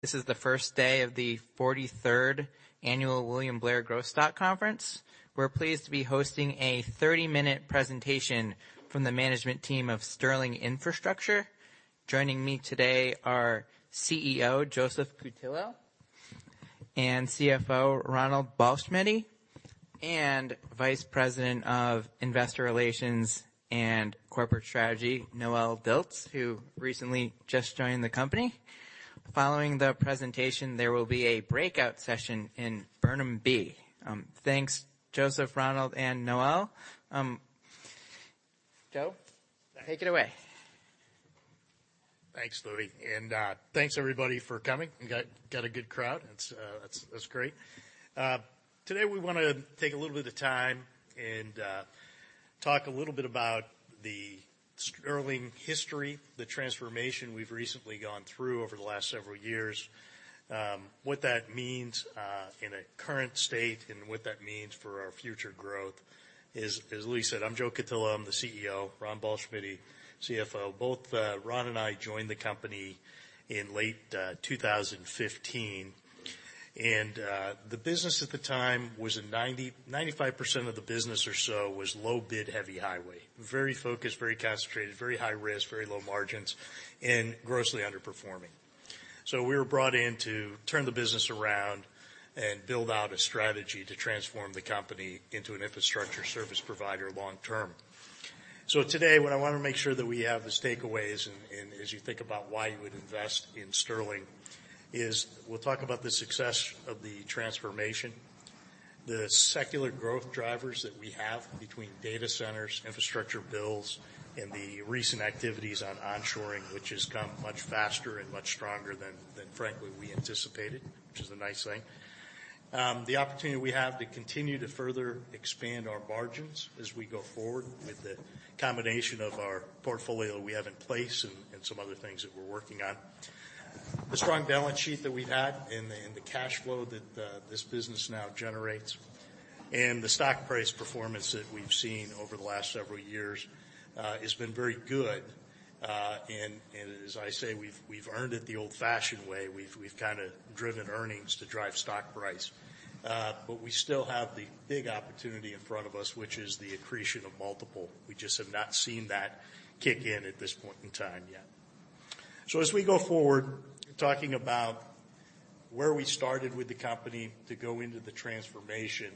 This is the first day of the 43rd Annual William Blair Growth Stock Conference. We're pleased to be hosting a 30-minute presentation from the management team of Sterling Infrastructure. Joining me today are CEO Joseph Cutillo, CFO Ronald Ballschmiede, and Vice President of Investor Relations and Corporate Strategy, Noelle Dilts, who recently just joined the company. Following the presentation, there will be a breakout session in Burnham B. Thanks, Joseph, Ronald, and Noelle. Joe? Take it away. Thanks, Louie. Thanks, everybody, for coming. We got a good crowd. That's great. Today, we want to take a little bit of time and talk a little bit about the Sterling history, the transformation we've recently gone through over the last several years, what that means in a current state, and what that means for our future growth. As Louie said, I'm Joe Cutillo. I'm the CEO, Ron Ballschmiede, CFO. Both Ron and I joined the company in late 2015. The business at the time was 95% of the business or so was low-bid heavy highway, very focused, very concentrated, very high risk, very low margins, and grossly underperforming. We were brought in to turn the business around and build out a strategy to transform the company into an infrastructure service provider long-term. What I want to make sure that we have as takeaways and as you think about why you would invest in Sterling is we'll talk about the success of the transformation, the secular growth drivers that we have between data centers, infrastructure bills, and the recent activities on onshoring, which has come much faster and much stronger than, frankly, we anticipated, which is a nice thing. The opportunity we have to continue to further expand our margins as we go forward with the combination of our portfolio we have in place and some other things that we're working on. The strong balance sheet that we've had and the cash flow that this business now generates and the stock price performance that we've seen over the last several years has been very good. As I say, we've earned it the old-fashioned way. We've kind of driven earnings to drive stock price. We still have the big opportunity in front of us, which is the accretion of multiple. We just have not seen that kick in at this point in time yet. As we go forward, talking about where we started with the company to go into the transformation,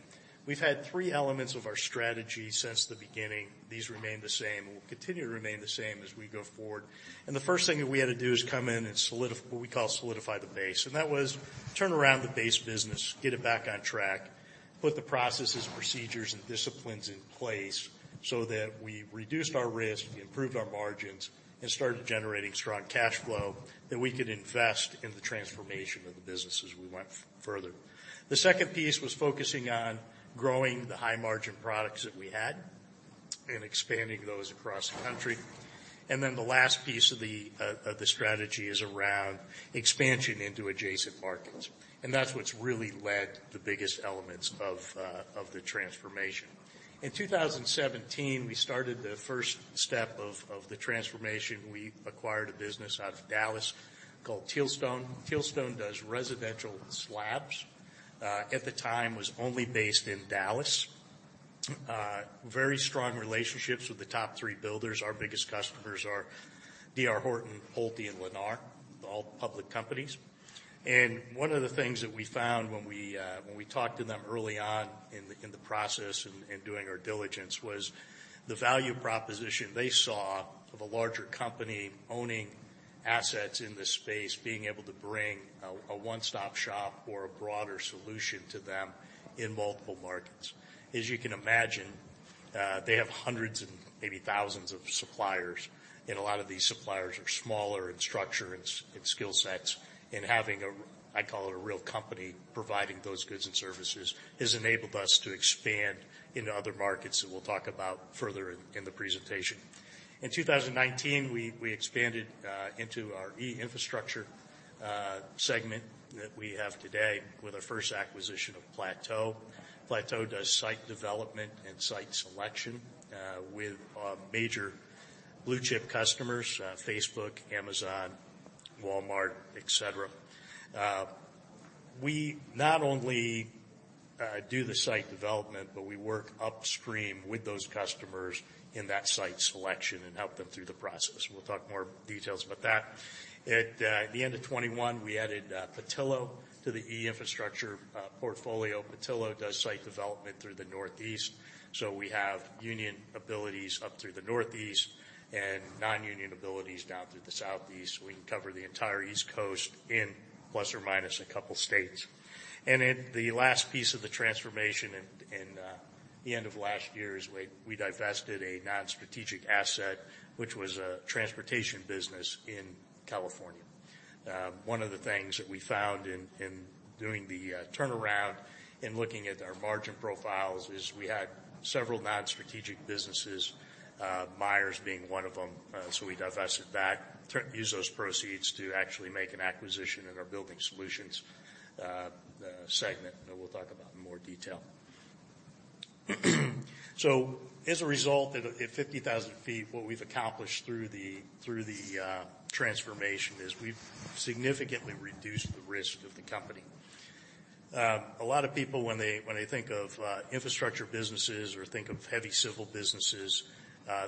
we've had three elements of our strategy since the beginning. These remain the same and will continue to remain the same as we go forward. The first thing that we had to do is come in and solidify what we call solidify the base. That was turn around the base business, get it back on track, put the processes, procedures, and disciplines in place so that we reduced our risk, improved our margins, and started generating strong cash flow that we could invest in the transformation of the business as we went further. The second piece was focusing on growing the high-margin products that we had and expanding those across the country. The last piece of the strategy is around expansion into adjacent markets. That is what has really led the biggest elements of the transformation. In 2017, we started the first step of the transformation. We acquired a business out of Dallas called Tealstone. Tealstone does residential slabs. At the time, it was only based in Dallas. Very strong relationships with the top three builders. Our biggest customers are D.R. Horton, PulteGroup, and Lennar, all public companies. One of the things that we found when we talked to them early on in the process and doing our diligence was the value proposition they saw of a larger company owning assets in this space, being able to bring a one-stop shop or a broader solution to them in multiple markets. As you can imagine, they have hundreds and maybe thousands of suppliers. A lot of these suppliers are smaller in structure and skill sets. Having a, I call it a real company, providing those goods and services has enabled us to expand into other markets that we'll talk about further in the presentation. In 2019, we expanded into our e-infrastructure segment that we have today with our first acquisition of Plateau. Plateau does site development and site selection with our major blue-chip customers, Facebook, Amazon, Walmart, etc. We not only do the site development, but we work upstream with those customers in that site selection and help them through the process. We'll talk more details about that. At the end of 2021, we added Petillo to the e-infrastructure portfolio. Petillo does site development through the Northeast. We have union abilities up through the Northeast and non-union abilities down through the Southeast. We can cover the entire East Coast in plus or minus a couple of states. The last piece of the transformation at the end of last year is we divested a non-strategic asset, which was a transportation business in California. One of the things that we found in doing the turnaround and looking at our margin profiles is we had several non-strategic businesses, Myers being one of them. We divested that, used those proceeds to actually make an acquisition in our building solutions segment that we'll talk about in more detail. As a result, at 50,000 ft, what we've accomplished through the transformation is we've significantly reduced the risk of the company. A lot of people, when they think of infrastructure businesses or think of heavy civil businesses,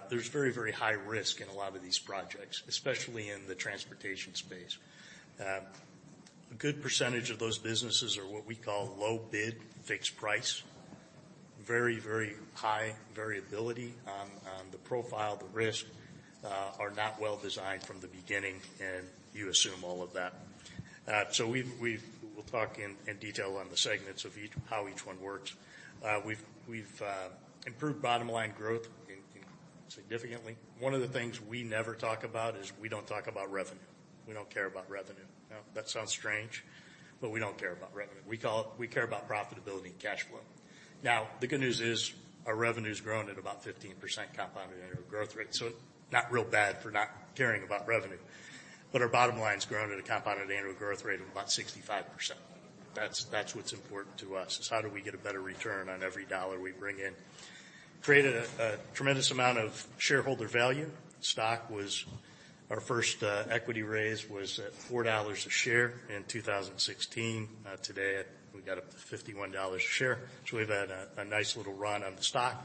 there's very, very high risk in a lot of these projects, especially in the transportation space. A good percentage of those businesses are what we call low-bid fixed price, very, very high variability on the profile, the risk, are not well designed from the beginning, and you assume all of that. We'll talk in detail on the segments of how each one works. We've improved bottom-line growth significantly. One of the things we never talk about is we don't talk about revenue. We don't care about revenue. That sounds strange, but we don't care about revenue. We care about profitability and cash flow. Now, the good news is our revenue's grown at about 15% compounded annual growth rate. Not real bad for not caring about revenue. Our bottom line's grown at a compounded annual growth rate of about 65%. That's what's important to us, is how do we get a better return on every dollar we bring in. Created a tremendous amount of shareholder value. Our first equity raise was at $4 a share in 2016. Today, we got up to $51 a share. We've had a nice little run on the stock.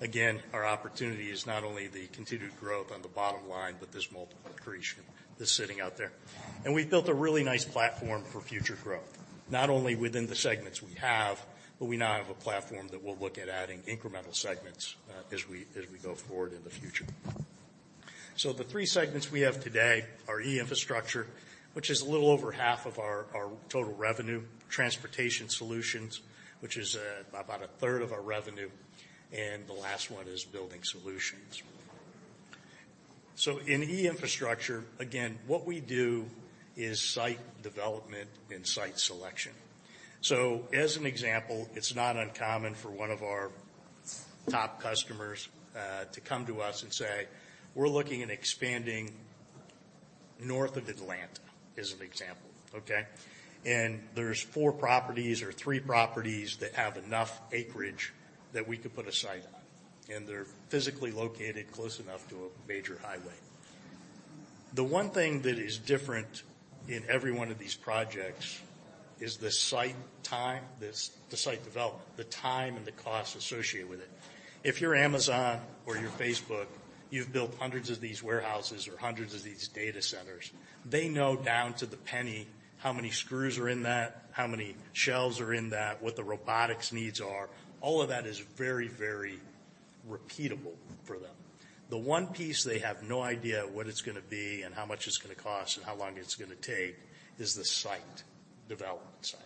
Again, our opportunity is not only the continued growth on the bottom line, but this multiple accretion that's sitting out there. We've built a really nice platform for future growth, not only within the segments we have, but we now have a platform that we'll look at adding incremental segments as we go forward in the future. The three segments we have today are e-infrastructure, which is a little over half of our total revenue, transportation solutions, which is about a third of our revenue, and the last one is building solutions. In e-infrastructure, again, what we do is site development and site selection. For example, it's not uncommon for one of our top customers to come to us and say, "We're looking at expanding north of Atlanta," as an example. There are four properties or three properties that have enough acreage that we could put a site on. They're physically located close enough to a major highway. The one thing that is different in every one of these projects is the site development, the time and the cost associated with it. If you're Amazon or you're Facebook, you've built hundreds of these warehouses or hundreds of these data centers. They know down to the penny how many screws are in that, how many shelves are in that, what the robotics needs are. All of that is very, very repeatable for them. The one piece they have no idea what it's going to be and how much it's going to cost and how long it's going to take is the site development side.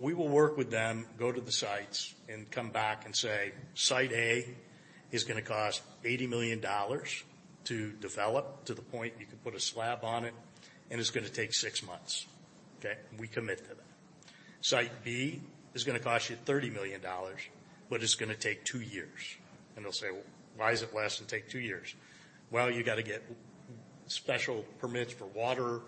We will work with them, go to the sites, and come back and say, "site A is going to cost $80 million to develop to the point you can put a slab on it, and it's going to take six months." Okay? We commit to that. Site B is going to cost you $30 million, but it's going to take two years. They'll say, "Why does it last and take two years?" You got to get special permits for water.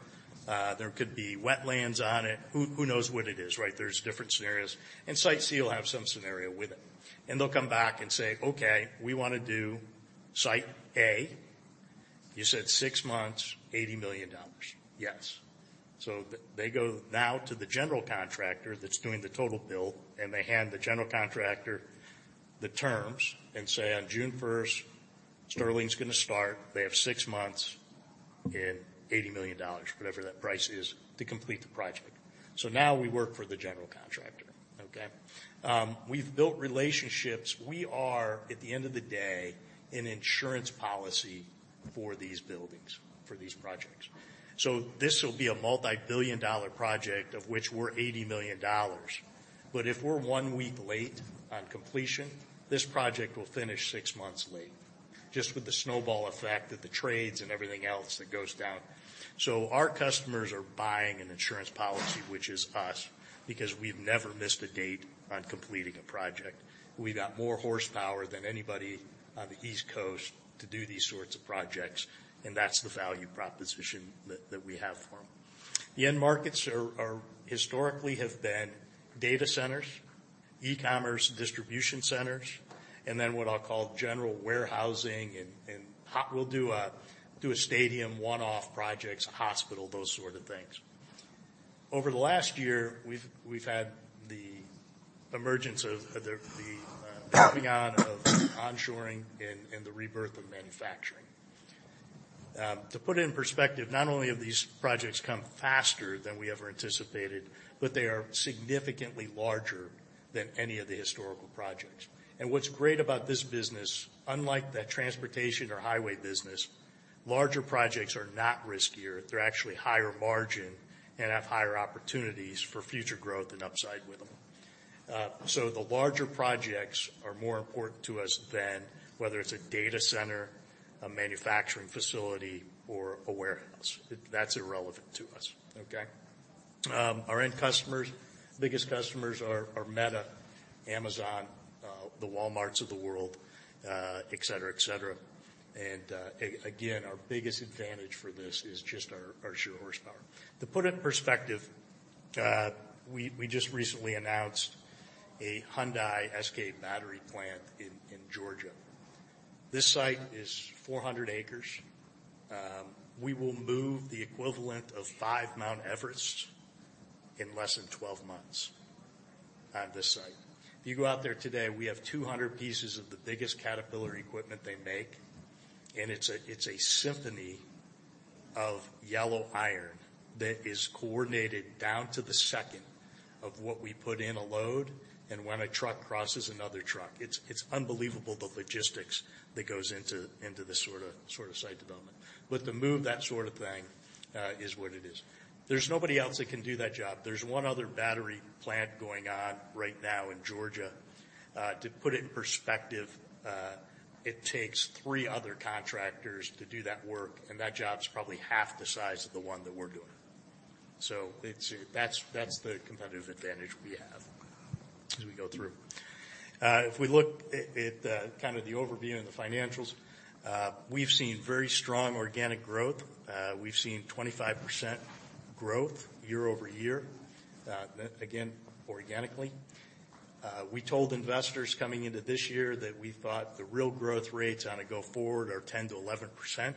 There could be wetlands on it. Who knows what it is, right? There are different scenarios. Site C will have some scenario with it. They'll come back and say, "Okay, we want to do site A. You said six months, $80 million." Yes. They go now to the general contractor that's doing the total bill, and they hand the general contractor the terms and say, "On June 1st, Sterling is going to start. They have six months and $80 million, whatever that price is, to complete the project." Now we work for the general contractor. We've built relationships. We are, at the end of the day, an insurance policy for these buildings, for these projects. This will be a multi-billion dollar project of which we're $80 million. If we're one week late on completion, this project will finish six months late, just with the snowball effect of the trades and everything else that goes down. Our customers are buying an insurance policy, which is us, because we've never missed a date on completing a project. We've got more horsepower than anybody on the East Coast to do these sorts of projects. That's the value proposition that we have for them. The end markets historically have been data centers, e-commerce distribution centers, and then what I'll call general warehousing. We'll do a stadium, one-off projects, a hospital, those sort of things. Over the last year, we've had the emergence of the onshoring and the rebirth of manufacturing. To put it in perspective, not only have these projects come faster than we ever anticipated, but they are significantly larger than any of the historical projects. What's great about this business, unlike the transportation or highway business, is larger projects are not riskier. They're actually higher margin and have higher opportunities for future growth and upside with them. The larger projects are more important to us than whether it's a data center, a manufacturing facility, or a warehouse. That's irrelevant to us. Okay? Our end customers, biggest customers are Meta, Amazon, the Walmarts of the world, etc., etc. Again, our biggest advantage for this is just our sheer horsepower. To put it in perspective, we just recently announced a Hyundai SK battery plant in Georgia. This site is 400 acres. We will move the equivalent of five Mount Everests in less than 12 months on this site. If you go out there today, we have 200 pieces of the biggest Caterpillar equipment they make. It's a symphony of yellow iron that is coordinated down to the second of what we put in a load and when a truck crosses another truck. It's unbelievable the logistics that goes into this sort of site development. To move that sort of thing is what it is. There's nobody else that can do that job. There's one other battery plant going on right now in Georgia. To put it in perspective, it takes three other contractors to do that work. That job's probably half the size of the one that we're doing. That's the competitive advantage we have as we go through. If we look at kind of the overview and the financials, we've seen very strong organic growth. We've seen 25% growth year-over-year, again, organically. We told investors coming into this year that we thought the real growth rates on a go forward are 10%-11%.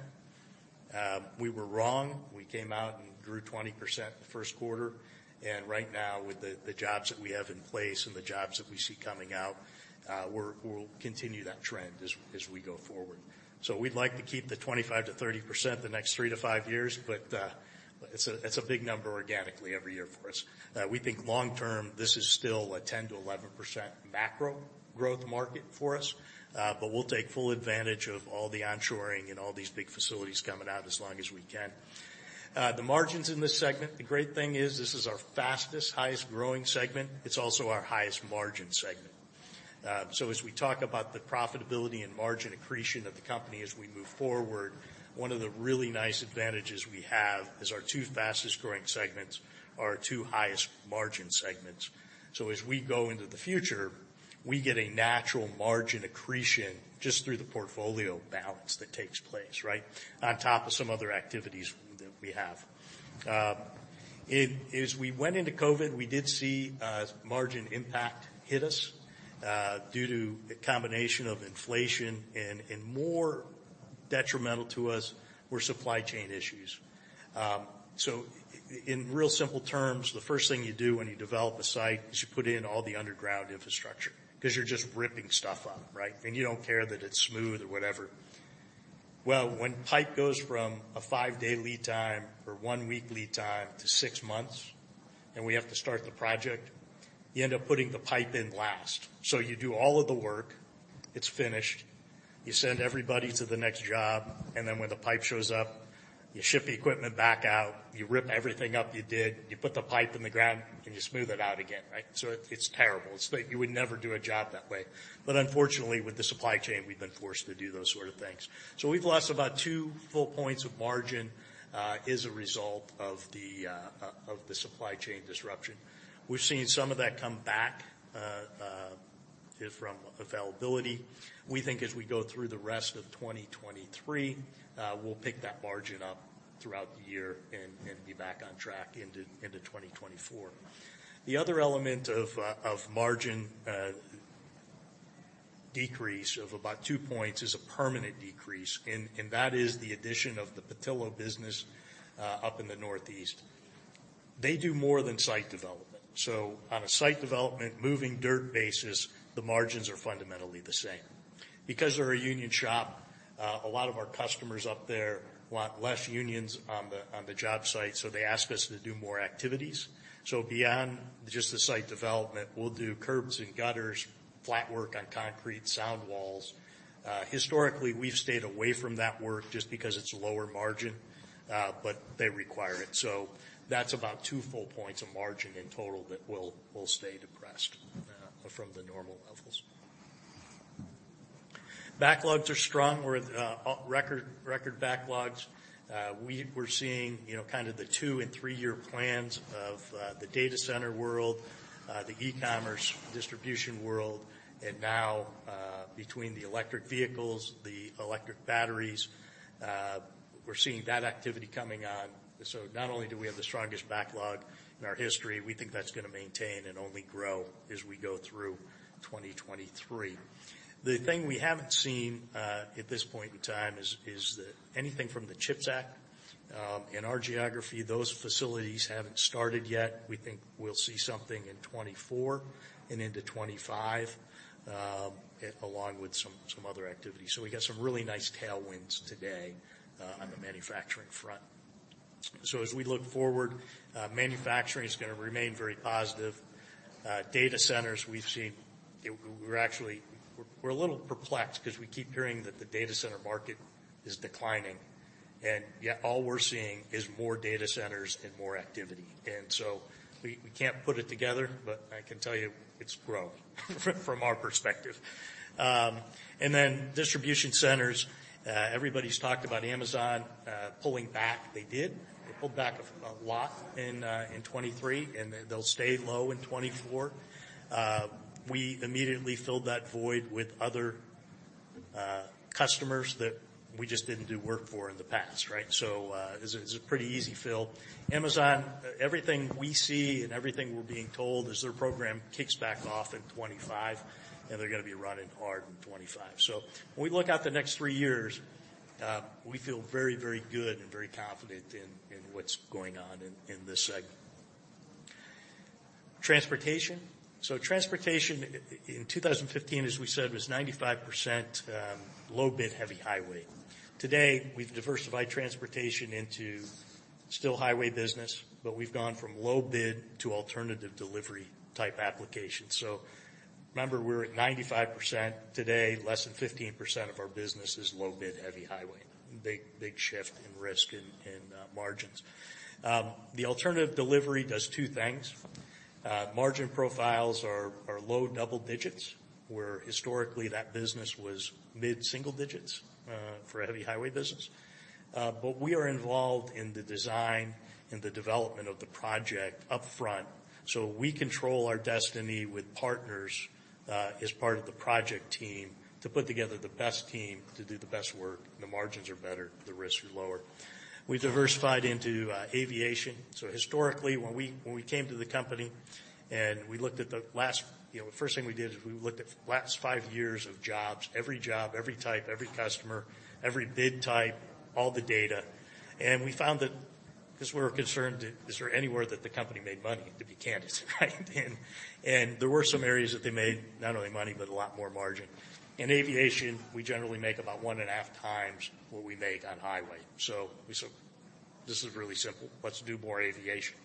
We were wrong. We came out and grew 20% in the first quarter. Right now, with the jobs that we have in place and the jobs that we see coming out, we'll continue that trend as we go forward. We'd like to keep the 25%-30% the next three to five years, but it's a big number organically every year for us. We think long-term, this is still a 10%-11% macro growth market for us. We will take full advantage of all the onshoring and all these big facilities coming out as long as we can. The margins in this segment, the great thing is this is our fastest, highest-growing segment. It is also our highest margin segment. As we talk about the profitability and margin accretion of the company as we move forward, one of the really nice advantages we have is our two fastest-growing segments are our two highest margin segments. As we go into the future, we get a natural margin accretion just through the portfolio balance that takes place, right, on top of some other activities that we have. As we went into COVID, we did see margin impact hit us due to a combination of inflation and, more detrimental to us, were supply chain issues. In real simple terms, the first thing you do when you develop a site is you put in all the underground infrastructure because you're just ripping stuff up, right? You don't care that it's smooth or whatever. When pipe goes from a five-day lead time or one-week lead time to six months, and we have to start the project, you end up putting the pipe in last. You do all of the work, it's finished, you send everybody to the next job, and then when the pipe shows up, you ship equipment back out, you rip everything up you did, you put the pipe in the ground, and you smooth it out again, right? It's terrible. You would never do a job that way. Unfortunately, with the supply chain, we've been forced to do those sort of things. We have lost about two full points of margin as a result of the supply chain disruption. We have seen some of that come back from availability. We think as we go through the rest of 2023, we will pick that margin up throughout the year and be back on track into 2024. The other element of margin decrease of about two points is a permanent decrease. That is the addition of the Petillo business up in the Northeast. They do more than site development. On a site development, moving dirt basis, the margins are fundamentally the same. Because they are a union shop, a lot of our customers up there want less unions on the job site, so they ask us to do more activities. Beyond just the site development, we will do curbs and gutters, flat work on concrete sound walls. Historically, we've stayed away from that work just because it's lower margin, but they require it. That is about two full points of margin in total that will stay depressed from the normal levels. Backlogs are strong. We're at record backlogs. We're seeing kind of the two and three-year plans of the data center world, the e-commerce distribution world, and now between the electric vehicles, the electric batteries, we're seeing that activity coming on. Not only do we have the strongest backlog in our history, we think that's going to maintain and only grow as we go through 2023. The thing we haven't seen at this point in time is that anything from the CHIPS Act in our geography, those facilities haven't started yet. We think we'll see something in 2024 and into 2025, along with some other activity. We got some really nice tailwinds today on the manufacturing front. As we look forward, manufacturing is going to remain very positive. Data centers, we've seen, we're a little perplexed because we keep hearing that the data center market is declining. Yet all we're seeing is more data centers and more activity. We can't put it together, but I can tell you it's growing from our perspective. Distribution centers, everybody's talked about Amazon pulling back. They did. They pulled back a lot in 2023, and they'll stay low in 2024. We immediately filled that void with other customers that we just didn't do work for in the past, right? It's a pretty easy fill. Amazon, everything we see and everything we're being told is their program kicks back off in 2025, and they're going to be running hard in 2025. When we look at the next three years, we feel very, very good and very confident in what's going on in this segment. Transportation. Transportation in 2015, as we said, was 95% low-bid heavy highway. Today, we've diversified transportation into still highway business, but we've gone from low-bid to alternative delivery type applications. Remember, we were at 95%. Today, less than 15% of our business is low-bid heavy highway. Big shift in risk and margins. The alternative delivery does two things. Margin profiles are low double digits, where historically that business was mid-single digits for heavy highway business. We are involved in the design and the development of the project upfront. We control our destiny with partners as part of the project team to put together the best team to do the best work. The margins are better. The risks are lower. We've diversified into aviation. Historically, when we came to the company and we looked at the last first thing we did is we looked at last five years of jobs, every job, every type, every customer, every bid type, all the data. We found that because we were concerned, is there anywhere that the company made money, to be candid, right? There were some areas that they made not only money, but a lot more margin. In aviation, we generally make about one and a half times what we make on highway. This is really simple. Let's do more aviation.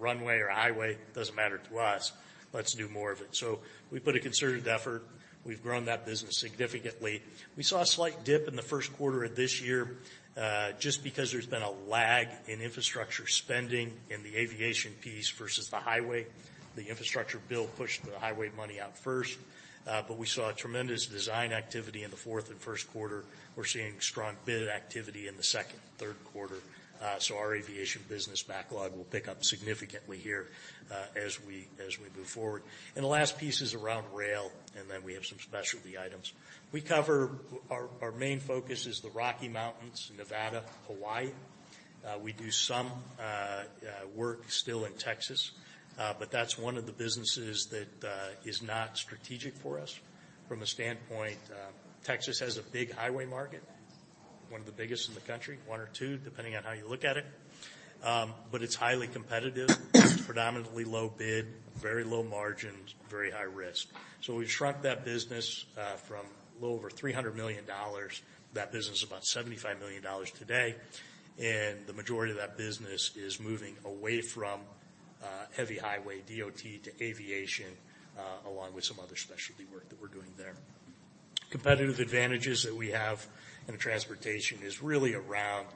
Runway or highway, doesn't matter to us. Let's do more of it. We put a concerted effort. We've grown that business significantly. We saw a slight dip in the first quarter of this year just because there's been a lag in infrastructure spending in the aviation piece versus the highway. The infrastructure bill pushed the highway money out first. We saw tremendous design activity in the fourth and first quarter. We're seeing strong bid activity in the second, third quarter. Our aviation business backlog will pick up significantly here as we move forward. The last piece is around rail, and then we have some specialty items. Our main focus is the Rocky Mountains, Nevada, Hawaii. We do some work still in Texas, but that's one of the businesses that is not strategic for us from a standpoint. Texas has a big highway market, one of the biggest in the country, one or two, depending on how you look at it. It's highly competitive, predominantly low bid, very low margins, very high risk. We've shrunk that business from a little over $300 million. That business is about $75 million today. The majority of that business is moving away from heavy highway, DOT to aviation, along with some other specialty work that we're doing there. Competitive advantages that we have in transportation is really around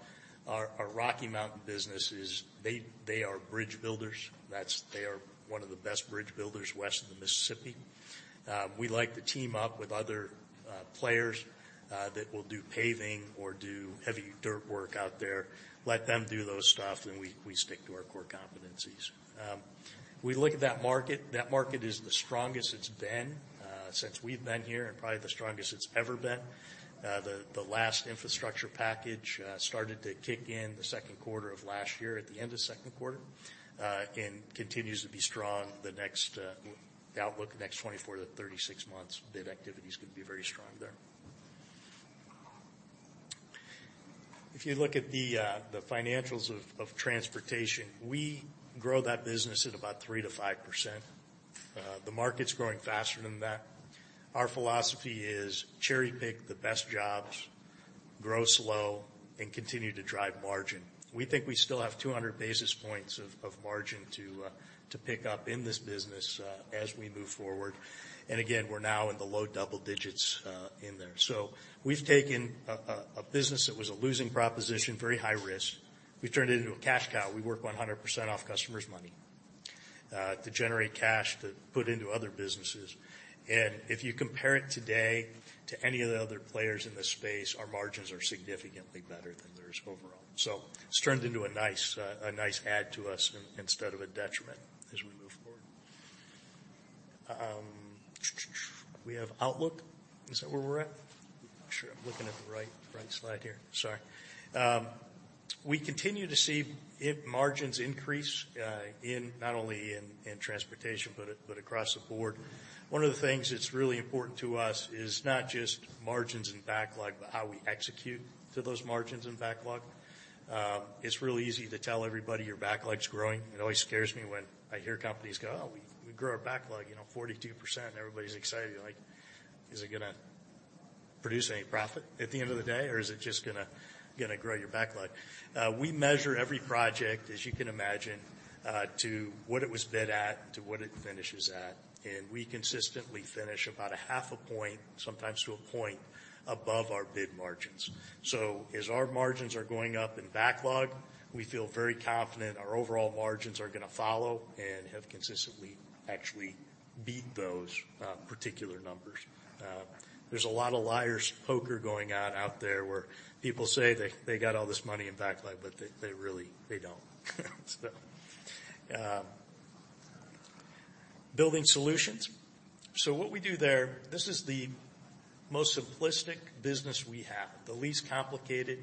our Rocky Mountain businesses. They are bridge builders. They are one of the best bridge builders west of the Mississippi. We like to team up with other players that will do paving or do heavy dirt work out there, let them do those stuff, and we stick to our core competencies. We look at that market. That market is the strongest it's been since we've been here and probably the strongest it's ever been. The last infrastructure package started to kick in the second quarter of last year, at the end of second quarter, and continues to be strong. The outlook next 24 months-36 months, bid activity is going to be very strong there. If you look at the financials of transportation, we grow that business at about 3%-5%. The market's growing faster than that. Our philosophy is cherry-pick the best jobs, grow slow, and continue to drive margin. We think we still have 200 basis points of margin to pick up in this business as we move forward. We are now in the low double digits in there. We have taken a business that was a losing proposition, very high risk. We have turned it into a cash cow. We work 100% off customers' money to generate cash to put into other businesses. If you compare it today to any of the other players in this space, our margins are significantly better than theirs overall. It has turned into a nice add to us instead of a detriment as we move forward. We have outlook. Is that where we're at? Sure. I'm looking at the right slide here. Sorry. We continue to see margins increase not only in transportation, but across the board. One of the things that's really important to us is not just margins and backlog, but how we execute to those margins and backlog. It's really easy to tell everybody your backlog's growing. It always scares me when I hear companies go, "Oh, we grew our backlog 42%," and everybody's excited. Is it going to produce any profit at the end of the day, or is it just going to grow your backlog? We measure every project, as you can imagine, to what it was bid at, to what it finishes at. We consistently finish about half a point, sometimes to a point, above our bid margins. As our margins are going up in backlog, we feel very confident our overall margins are going to follow and have consistently actually beat those particular numbers. There's a lot of liar's poker going on out there where people say they got all this money in backlog, but they don't. Building solutions. What we do there, this is the most simplistic business we have, the least complicated,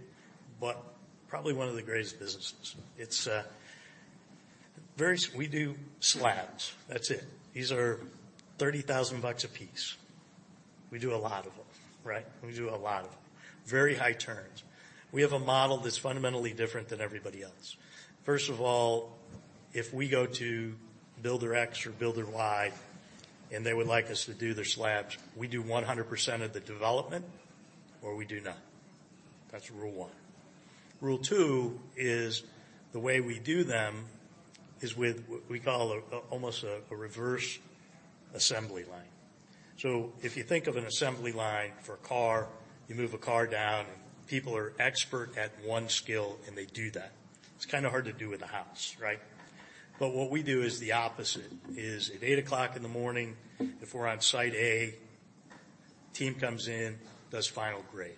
but probably one of the greatest businesses. We do slabs. That's it. These are $30,000 a piece. We do a lot of them, right? We do a lot of them. Very high turns. We have a model that's fundamentally different than everybody else. First of all, if we go to builder X or builder Y and they would like us to do their slabs, we do 100% of the development or we do none. That's rule one. Rule two is the way we do them is with what we call almost a reverse assembly line. If you think of an assembly line for a car, you move a car down, and people are expert at one skill, and they do that. It's kind of hard to do with a house, right? What we do is the opposite. At 8:00 A.M., if we're on site A, team comes in, does final grade.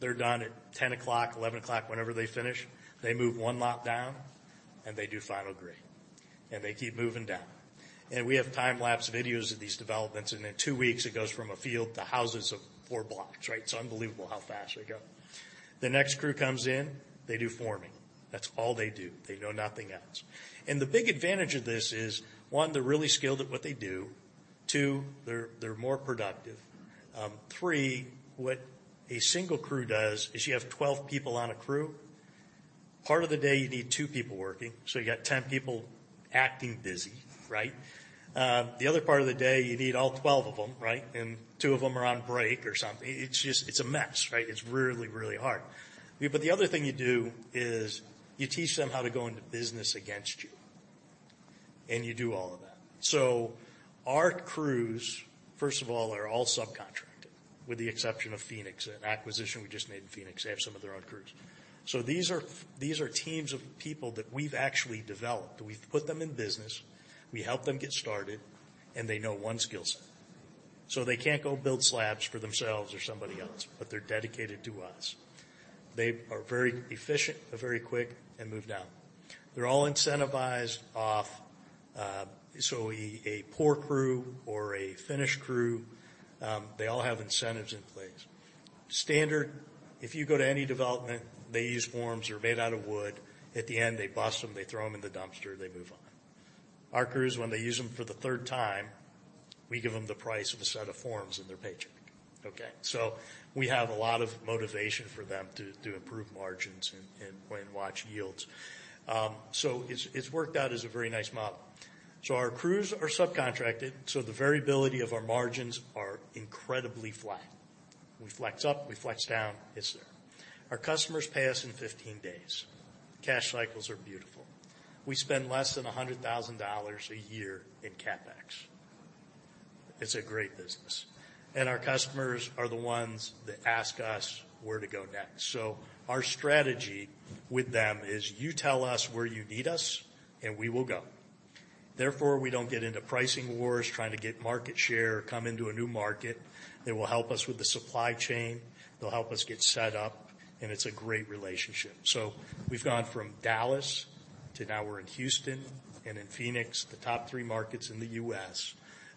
They're done at 10:00 A.M., 11:00 A.M., whenever they finish. They move one lot down, and they do final grade. They keep moving down. We have time-lapse videos of these developments. In two weeks, it goes from a field to houses of four blocks, right? It's unbelievable how fast they go. The next crew comes in, they do forming. That's all they do. They know nothing else. The big advantage of this is, one, they're really skilled at what they do. Two, they're more productive. Three, what a single crew does is you have 12 people on a crew. Part of the day, you need two people working. So you got 10 people acting busy, right? The other part of the day, you need all 12 of them, right? And two of them are on break or something. It's a mess, right? It's really, really hard. The other thing you do is you teach them how to go into business against you. You do all of that. Our crews, first of all, are all subcontracted, with the exception of Phoenix. An acquisition we just made in Phoenix. They have some of their own crews. These are teams of people that we've actually developed. We've put them in business. We help them get started, and they know one skill set. They can't go build slabs for themselves or somebody else, but they're dedicated to us. They are very efficient, very quick, and move down. They're all incentivized off. A poor crew or a finished crew, they all have incentives in place. Standard, if you go to any development, they use forms. They're made out of wood. At the end, they bust them. They throw them in the dumpster. They move on. Our crews, when they use them for the third time, we give them the price of a set of forms in their paycheck. Okay? We have a lot of motivation for them to improve margins and watch yields. It has worked out as a very nice model. Our crews are subcontracted. The variability of our margins is incredibly flat. We flex up. We flex down. It is there. Our customers pay us in 15 days. Cash cycles are beautiful. We spend less than $100,000 a year in CapEx. It is a great business. Our customers are the ones that ask us where to go next. Our strategy with them is you tell us where you need us, and we will go. Therefore, we do not get into pricing wars, trying to get market share, come into a new market. They will help us with the supply chain. They will help us get set up. It is a great relationship. We've gone from Dallas to now we're in Houston and in Phoenix, the top three markets in the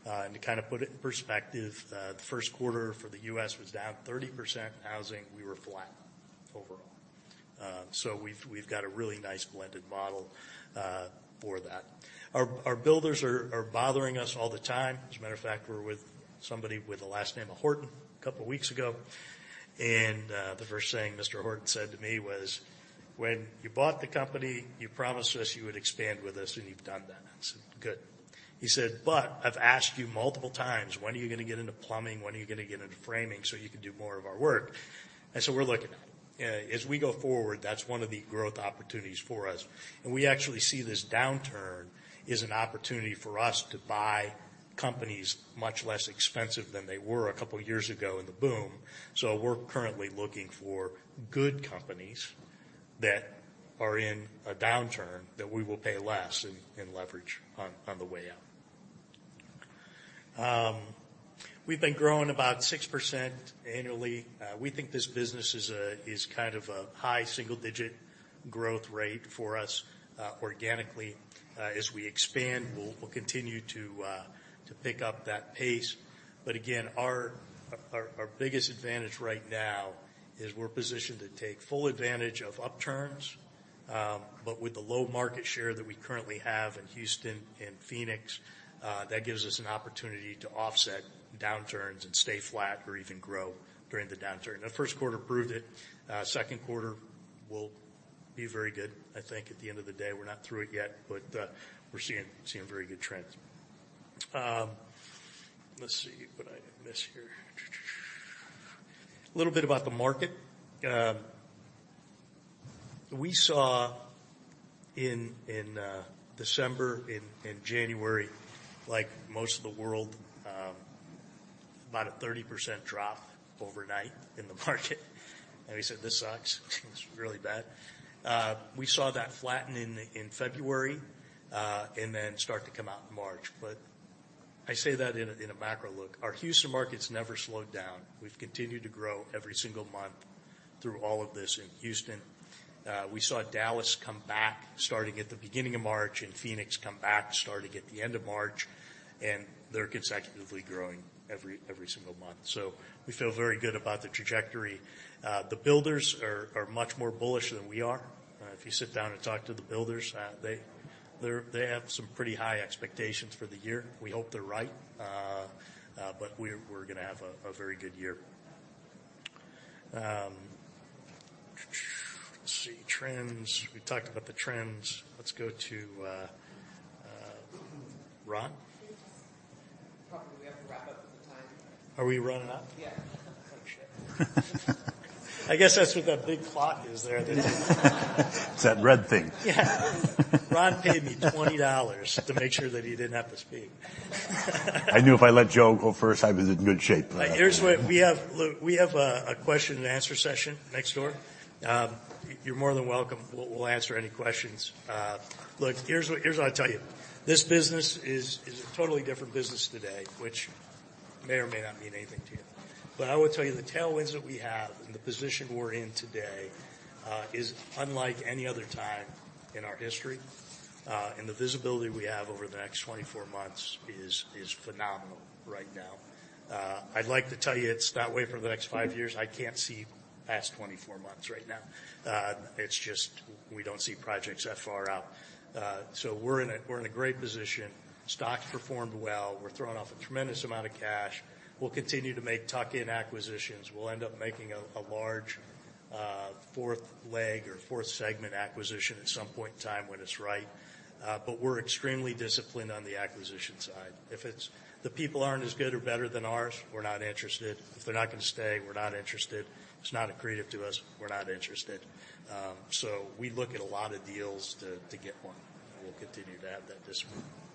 U.S. To kind of put it in perspective, the first quarter for the U.S. was down 30% in housing. We were flat overall. We've got a really nice blended model for that. Our builders are bothering us all the time. As a matter of fact, we were with somebody with the last name of Horton a couple of weeks ago. The first thing Mr. Horton said to me was, "When you bought the company, you promised us you would expand with us, and you've done that." I said, "Good." He said, "But I've asked you multiple times, when are you going to get into plumbing? When are you going to get into framing so you can do more of our work?" I said, "We're looking at it." As we go forward, that's one of the growth opportunities for us. We actually see this downturn as an opportunity for us to buy companies much less expensive than they were a couple of years ago in the boom. We are currently looking for good companies that are in a downturn that we will pay less and leverage on the way out. We have been growing about 6% annually. We think this business is kind of a high single-digit growth rate for us organically. As we expand, we will continue to pick up that pace. Our biggest advantage right now is we are positioned to take full advantage of upturns. With the low market share that we currently have in Houston and Phoenix, that gives us an opportunity to offset downturns and stay flat or even grow during the downturn. The first quarter proved it. Second quarter will be very good. I think at the end of the day, we're not through it yet, but we're seeing very good trends. Let's see what I missed here. A little bit about the market. We saw in December and January, like most of the world, about a 30% drop overnight in the market. We said, "This sucks. It's really bad." We saw that flatten in February and then start to come out in March. I say that in a macro look. Our Houston market's never slowed down. We've continued to grow every single month through all of this in Houston. We saw Dallas come back starting at the beginning of March and Phoenix come back starting at the end of March. They are consecutively growing every single month. We feel very good about the trajectory. The builders are much more bullish than we are. If you sit down and talk to the builders, they have some pretty high expectations for the year. We hope they are right. We are going to have a very good year. Let's see. Trends. We talked about the trends. Let's go to Ron. Probably we have to wrap up with the time. Are we running out? Yeah. I guess that's what that big clock is there. It's that red thing. Yeah. Ron paid me $20 to make sure that he didn't have to speak. I knew if I let Joe go first, I was in good shape. We have a question and answer session next door. You're more than welcome. We'll answer any questions. Look, here's what I'll tell you. This business is a totally different business today, which may or may not mean anything to you. I will tell you the tailwinds that we have and the position we're in today is unlike any other time in our history. The visibility we have over the next 24 months is phenomenal right now. I'd like to tell you it's that way for the next five years. I can't see past 24 months right now. We don't see projects that far out. We're in a great position. Stock's performed well. We're throwing off a tremendous amount of cash. We'll continue to make tuck-in acquisitions. We'll end up making a large fourth leg or fourth segment acquisition at some point in time when it's right. We are extremely disciplined on the acquisition side. If the people aren't as good or better than ours, we're not interested. If they're not going to stay, we're not interested. If it's not accretive to us, we're not interested. We look at a lot of deals to get one. We will continue to have that discipline. Thanks.